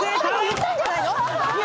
言ったんじゃない？